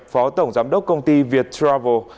phó tổng giám đốc công ty việt travel